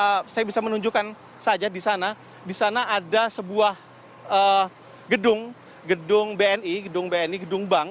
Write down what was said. nah saya bisa menunjukkan saja di sana di sana ada sebuah gedung gedung bni gedung bni gedung bank